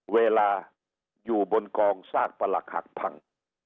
เวลาอยู่บนกองซากประหลักหักพัง